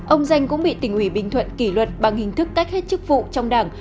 ông danh cũng bị tỉnh ủy bình thuận kỷ luật bằng hình thức tách hết chức vụ trong đảng